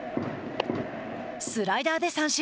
スライダーで三振。